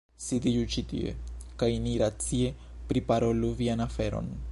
Sidiĝu ĉi tie, kaj ni racie priparolu vian aferon.